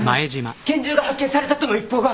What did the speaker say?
拳銃が発見されたとの一報が。